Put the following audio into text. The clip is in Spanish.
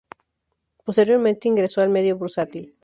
Posteriormente, ingresó al medio bursátil.